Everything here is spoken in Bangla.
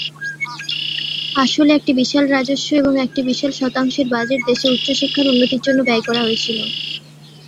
আসলে একটি বিশাল রাজস্ব এবং একটি বিশাল শতাংশের বাজেট দেশে উচ্চ শিক্ষার উন্নতির জন্য ব্যয় করা হয়েছিল।